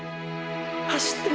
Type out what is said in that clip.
走ってる！！